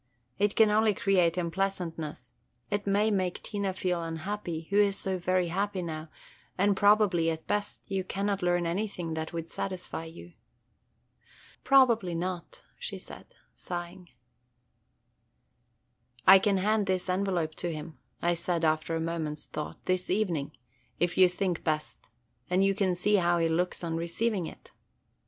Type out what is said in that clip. It can only create unpleasantness; it may make Tina feel unhappy, who is so very happy now, and probably, at best, you cannot learn anything that would satisfy you." "Probably not," said she, sighing. "I can hand this envelope to him," I said after a moment's thought, "this evening, if you think best, and you can see how he looks on receiving it."